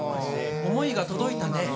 思いが届いたね。